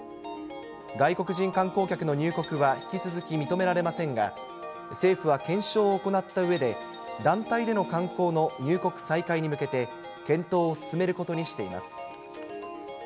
外国人観光客の入国は引き続き認められませんが、政府は検証を行ったうえで、団体での観光の入国再開に向けて、検討を進めることにしています。